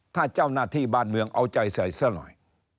ถ้าเจ้าหน้าที่บ้านเมืองเอาใจใส่ซะหน่อย